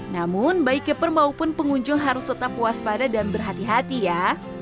namun baik keeper maupun pengunjung harus tetap puas pada dan berhati hati ya